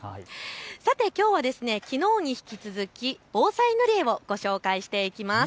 さてきょうはきのうに引き続き防災塗り絵をご紹介していきます。